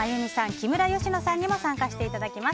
木村佳乃さんにも参加していただきます。